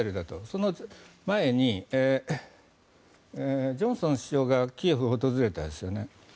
その前にジョンソン首相がキーウを訪れましたよね。